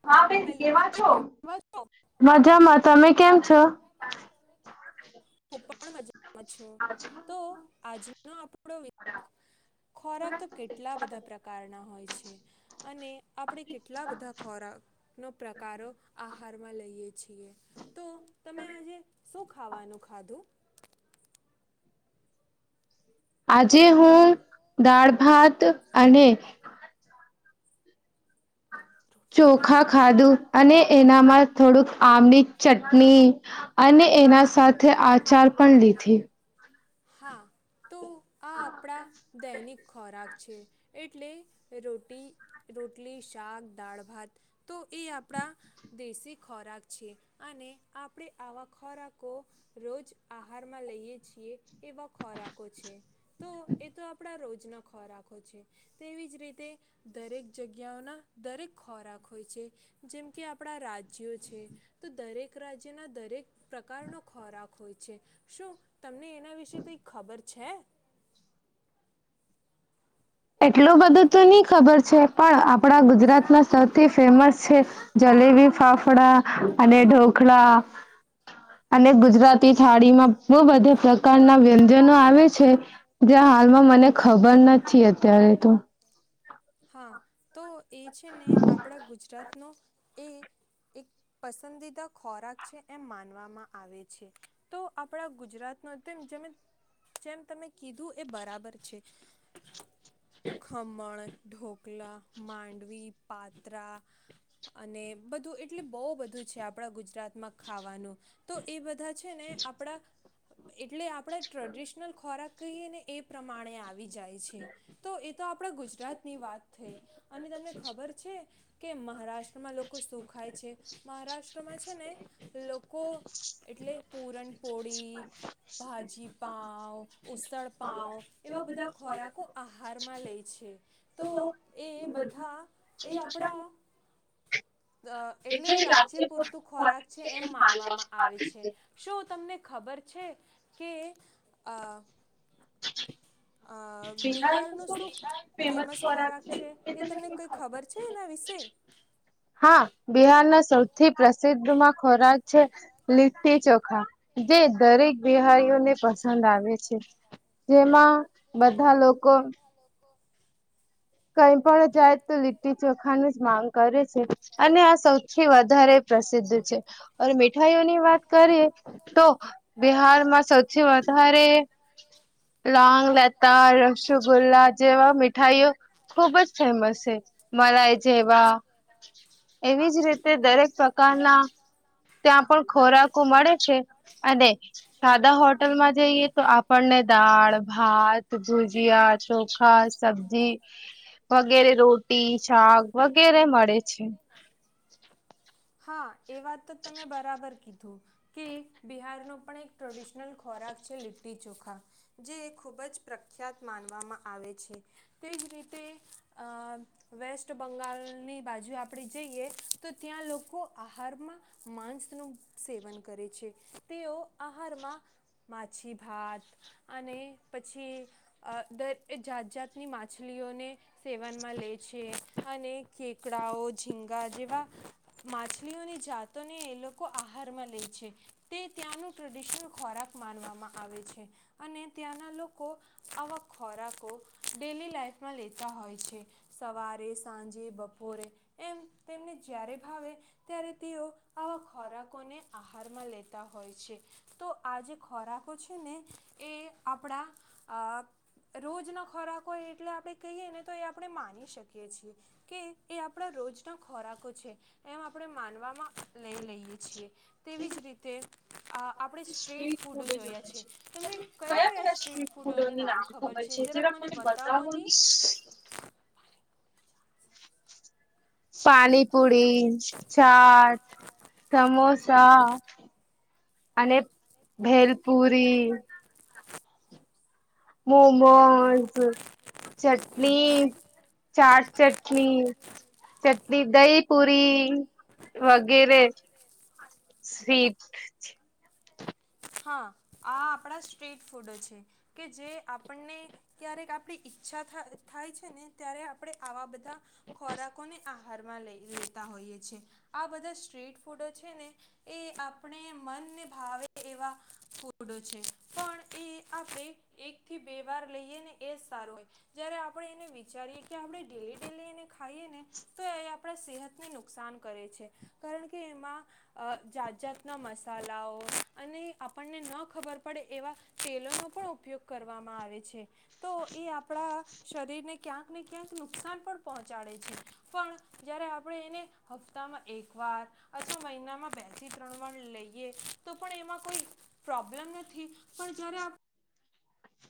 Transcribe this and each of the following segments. [inaudible] મજામાં તમે કેમ છો? હું પણ મજા માં છું. તો આજનો આપો ખોરાક તો કેટલા બધા પ્રકારના હોય છે અને આપડે કેટલા બધા ખોરાક નો પ્રકારો આહારમાં લઈએે છીએ તો તમે આજે શું ખાવાનો ખાધું? આજે હું દાળ ભાત અને ચોખા ખાધું અને એનામાં થોડુંક આમની ચટણી અને એના સાથે આચાર પણ લીધી. હા. તો આ આપડા દૈનિક ખોરાક છે એટલે રોટી રોટલી શાક દાળ ભાત તો એ આપડા દેશી ખોરાક છે અને આપડે આવા ખોરાકો રોજ આહારમાં લઈએ છીએ એવા ખોરાકો છે. તો એ તો આપડા રોજના ખોરાકો છે, તેવી જ રીતે દરેક જગ્યાઓના દરેક ખોરાક હોય છે, જેમ કે આપડા રાજ્યો છે, તો દરેક રાજ્યના દરેક પ્રકારનો ખોરાક હોય છે, શું તમને એના વિશે કઈ ખબર છે? એટલું બધું તો નહી ખબર છે, પણ આપડા ગુજરાતમાં સૌથી ફેમસ છે જલેબી, ફાફડા અને ઢોકળા અને ગુજરાતી થાળીમાં બહુ બધા પ્રકારના વ્યંજનો આવે છે, જે હાલમાં મને ખબર નથી અ ત્યારે તો. હા. તો. એ છે ને આપણા ગુજરાત એ એક પસંદીદા ખોરાક છે એમ માનવામાં આવે છે તો આપણા ગુજરાત નો તેમ જે જેમ તમે કીધું એ બરાબર છે. ખમણ, ઢોકલા, માંડવી, પાત્રા અને બધું એટલે બહુ બધું છે આપણા ગુજરાતમાં ખાવાનું. તો એ બધા છે ને આપણા એટલે આપ આપણે ટ્રેડિશનલ ખોરાક કહીએ ને એ પ્રમાણે આવે વી જાય છે. તો આપણા ગુજરાતની વાત થઈ અને તમને ખબર છે કે, મહારાષ્ટ્રમાં લોકો શું ખાય છે? મહારાષ્ટ્રમાં છે ને લોકો એટલે પૂરણપોળી, ભાજીપાંઉ, ઉસળપાઉ એવા બધા ખોરાકો ફારમા લઈ [unintelligible] છે. તો એ બધા [inaudible] અ એટલે રાજ્ય પૂરતું ખોરાક છે એમ માનવામાં આવે છે, શું તમને ખબર છે કે [inaudible] અ છે એ તમને કંઈ ખબર છે એના વિશે હા. બિહારના સૌથી પ્રસિદ્ધમાં ખોરાક છે, લીટી ચોખા જે દરેક બિહારીઓને પસંદ આવે છે જેમાં બધા લોકો કઈ પણ જાય તો લીટી ચોખાની જ માંગ કરે છે અને આ સૌથી વધારે પ્રસિદ્ધ છે. અને મીઠાઈઓની વાત કરીએ તો બિહારમાં સૌથી વધારે લાંગ, લતા, રસગુલ્લા જેવા મીઠાઈઓ ખુબ જ ફેમસ છે મલાઈ જેવા. એવી જ રીતે દરેક પ્રકારના ત્યાં પણ ખોરાક મળે છે અને સાદા હોટલમાં જઈએ તો આપણને દાળ, ભાત, ભુજીયા, ચોખા, સબ્જી, વગેરે રોટી, શાક વગેરે મળે છે. હા. એ વાત બરાબર કીધું. કે બિહારનો પણ એક ટ્રેડિશનલ ખોરાક છે, લીટ્ટી ચોખા જે ખૂબ જ પ્રખ્યાત માનવામાં આવે છે, તેજ રીતે અ વેસ્ટબંગાળની બાજુ આપણે જઈએ, તો ત્યાં લોકો આહારમાં માંસનું સેવન કરે છે. તેઓ આહારમાં માછીભાત અને પછી દર જાત જાતની માછલીઓને સેવનમાં લે છે અને કેકડાઓ, ઝીંગા જેવા માછલીઓની જાત ને એ લોકો આહારમાં લે છે, તે ત્યાંનું ટ્રેડિશનલ ખોરાક માનવામાં આવે છે અને ત્યાંના લોકો આવા ખોરાકો ડેલી લાઈફમાં લેતા હોય છે, સવારે સાંજે બપોરે એમ તેમને જ્યારે ભાવે ત્યારે તેઓ આવા ખોરાકોને આહારમાં લેતા હોય છે તો આ જે ખોરાકો છે ને એ આપણા રોજના ખોરાકો એટલે આપણે કહીએ ને તો એ આપણે માની શકીએ છીએ કે એ આપણા અ રોજના ખોરાકો છે એમ આપણે માનવામાં લઇ લઈએ છીએ તેવી જ રીતે સ્ટ્રીટ ફૂડ જો હોય છે તમને કયા કયા સ્ટ્રીટ ફૂડોને નામ ખબર છે જરાક મને બતાવો ને. પાણીપુરી, ચાટ, સમોસા અને ભેલપુરી. મોમોઝ, ચટણી, ચાટ ચટણી, ચટણી દહી પુરી વગેરે સ્વીટ હા આ આપણા સ્ટ્રીટ ફૂડો છે કે જે આપણને ક્યારેક આપણી ઈચ્છા થા થાય છે ને ત્યારે આપણે આવા બધા ખોરાકોને આહારમાં લઈ લેતા હોઈએ છેએ. આ બધા સ્ટ્રીટ ફૂડો છે ને એ આપણે મનને ભાવે એવા ફૂડો છે પણ એ આપણે એક થી બે વાર લઈએ ને એ જ સારો હોય. જયારે આપણે એને વિચારીએ કે આપણે ડેલી ડેલી એને ખાઈએ ને તો એ આપણા સેહતને નુકસાન કરે છે. કારણ કે એમાં અ જાત જાતના મસાલાઓ અને આપણને ન ખબર પડે એવા તેલોનો પણ ઉપયોગ કરવામાં આવે છે. તો એ આપણા શરીરને ક્યાં આપને ક્યાંક નુકસાન પણ પહોંચાડે છે. પણ જ્યારે આપણે એને હપ્તામાં એકવાર અથવા મહિનામાં બેથી ત્રણ વાર લઈએ તો પણ એમાં કોઈ પ્રોબ્લેમ નથી. પણ જયારે આ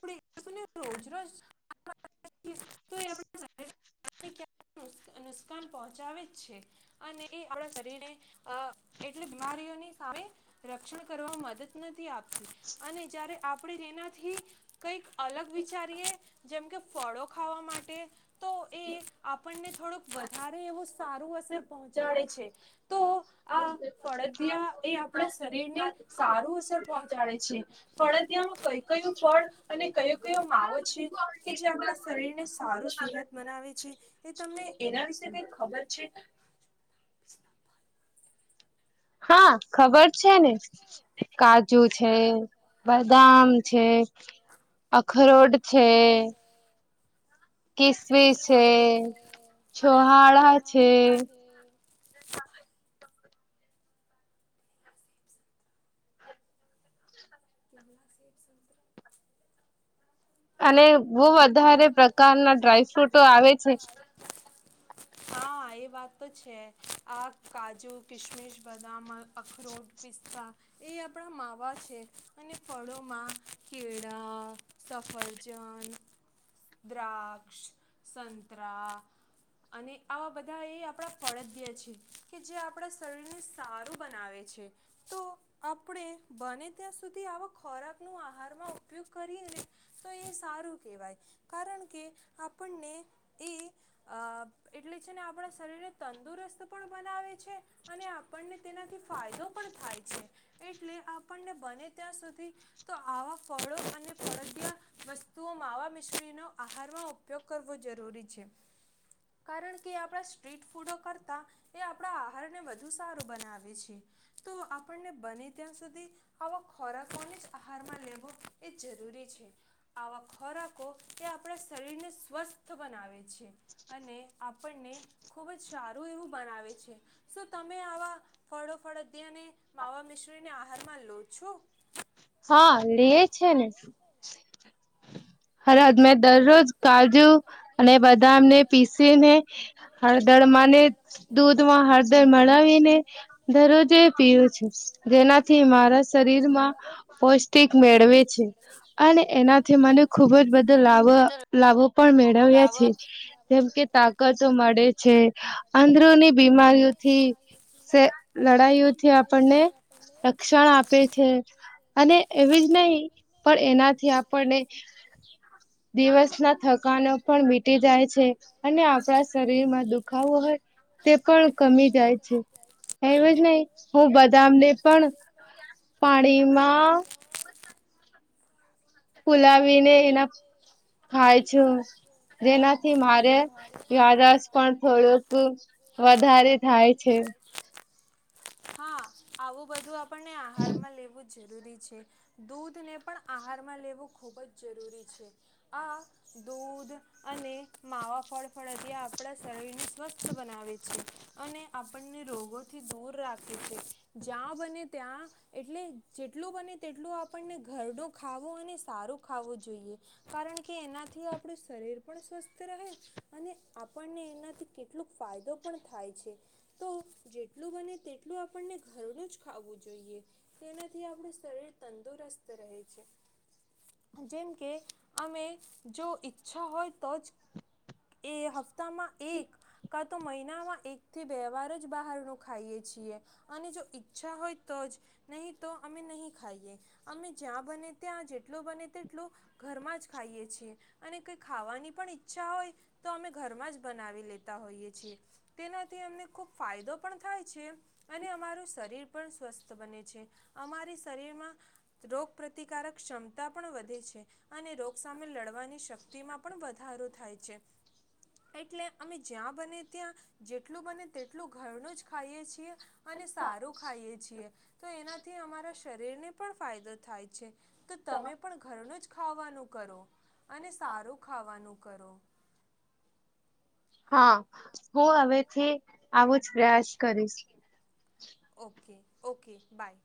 પડે [inaudible] રોજના જ [inaudible] નુકસાન પહોંચાવે જ છે અને એ આપણા શરીરને અ એટલી બીમારીઓની સામે રક્ષણ કરવામાં મદદ નથી આપતી અને જયારે આપણે એનાથી કંઈક અલગ વિચારીએ. જેમ કે ફળો ખાવા માટે તો એ આપણને થોડુંક વધારે એવું સારું અસર ચાડે છે તો આ પરળદિયામ એ આપણા શરીરને સારું અસર પહોંચાડે છે પરડદિયામ કઈ કયું ફળ અને કયો કયો માવો છે કે જે આપણા શરીરને સારો સેહત બનાવે છે, એ તમને એના વિશે કઈ ખબર છે? હા ખબર છે ને. કા કાજુ છે, બદામ છે, અખરોટ છે. કેસવીસ છે, છોહાડા છે. [inaudible] અને બવ વધારે પ્રકારના ડ્રાયફ્રૂટો આવે છે. હા એ વાત તો છે. આ કાજુ કિશમિશ બદામ અન અખરોટ પિસ્તા એ આપડા માવા છે. અને ફળોમાં કેળા, સફરજન, દ્રાક્ષ, સંતરા અને આવા બધા એ આપડા ફળદય છે કે જે આપણા શરીરને સારું બનાવે છે તો આપડે બને ત્યાં સુધી આવા ખોરાકનું આહારમાં ઉપયોગ કરીએ ને તો એ સારું કહેવાય કારણ કે આપણને તે અહ એટલે છેને આપણા શરીરને તંદુરસ્ત પણ બનાવે છે અને આપણને તેનાથી ફાયદો પણ થાય છે. એટલે આપણને બને ત્યાં સુધી તો આવા ફળો ફડદિયા વસ્તુઓમાં માવા મિશ્રીનો આહારમાં ઉપયોગ કરવો જરૂરી છે કારણ કે આપણા સ્ટ્રીટ ફૂડો કરતા એ આપડા આહારને વધુ સારું બનાવે છે તો આપણને બને ત્યાં સુધી આવા ખોરાકોને જ આહારમાં લેવો એ જરૂરી છે. આવા ખોરાકો એ આપડા શરીરને સ્વસ્થ બનાવે છે અને આપણને ખૂબ જ સારું એવું બનાવે છે શું તમે આવા ફળોફળદિયાને માવા મિશ્રીને આહારમાં લો છો? હા લિયે છે ને. હરહદ માં દરરોજ કાજુ અને બ દામને પીસીને હળદર ને દૂધમાં હળદર મવીને દરરોજે પીવું છેું જેનાથી મારા શરીરમાં પૌષ્ટિક મેળવે છે અને એનાથી મને ખુબ જ બધો લાવા લાવો પણ મેળવ્યા છે. લાવો જેમ કે તાકાતો મળે છે અંદરોની બીમારીઓથી સે લડાઈઓથી આપણને રક્ષણ આપે છે. અને એવી જ નહી પણ એનાથી આપણને દિવસના થકાનો પણ મીટી જાય છે અને આપડા શરીરમાં દુખાવો હોય તે પણ કમી જાય છે એવી જ નહીં હું બદામને પણ પાણીમાં ફુલાવીને એના ખાય છું જેનાથી મારે યાદાશ પણ થોડુંક વધારે થાય છે. હા, આવું બધું આપ પણને આહાર માં લેવું જરૂરી છે. દૂધને પણ આહારમાં લેવું ખૂબ જ જરૂરી છે. આ દૂધ અને માવા ફળ ફળદિયા આપડા શરીર એ સ્વસ્થ બનાવે છે. અને આપણને રોગોથી દૂર રાખે છે. જ્યાં બને ત્યાં એટલે જેટલું બને તેટલું આપણને ઘરડો ખાવો અને સારું ખાવું જોઈએ કારણ કે એનાથી યે આપણું શરીર પણ સ્વસ્થ રહે, અને આપણને એનાથી કેટલુક ફાયદો પણ થાય છે, તો જેટલું બને તેટલું આપણને ઘરનું જ ખાવું જોઈએ, તેનાથી આપણું શરીર તંદુરસ્ત રહે છે, જેમ કે અમે... જો ઈચ્છા હોય તો જ, એ હપ્તામાં એક કાં તો મહિનામાં એકથી બે વાર જ બહારનું ખાઈએ છીએ, અને જો ઈચ્છા હોય તો જ નહીં તો અમે નહીં ખાઈએ અમે જ્યાં બને ત્યાં જેટલુ બને તેટલું ઘરમાં જ ખાઈએ છીએ. અને કંઈ ખાવાની પણ ઈચ્છા હોય તો અમે ઘરમાં જ બનાવી લેતા હોઈએ છીએ, તેનાથી અમને ખૂબ ફાયદો પણ થાય છે અને અમારું શરીર પણ સ્વસ્થ બને છે, અમારી શરીરમાં રોગ પ્રતિકારક ક્ષમતા પણ વધે છે, અને રોગ સામે લડવાની... શક્તિ માં પણ વધારો થાય છે, એટલે અમે જ્યાં બને ત્યાં જેટલું બને તેટલું ઘરનું જ ખાઈએ છીએ અને સારું ખાઈ છીએ, તો એનાથી અમારા શરીરને પણ ફાયદો થાય છે, તો તમે પણ ઘરનું જ ખાવાનું કરો. અને સારું ખાવાનું કરો. હા હું હવેથી આવો જ પ્રયાસ કરીશ. ઓકે. Okay by.